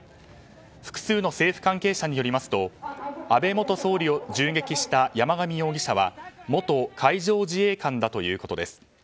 複数の政府関係者によりますと安倍元総理を銃撃した山上容疑者は元海上自衛官だということです。